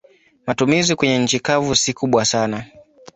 Matumizi kwenye nchi kavu si kubwa sana.